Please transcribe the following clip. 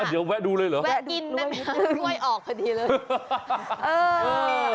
เดี๋ยวแวะดูเลยเหรอแวะกินได้ไหมคะกล้วยออกพอดีเลย